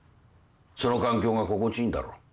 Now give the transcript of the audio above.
その環境が心地いいんだろう。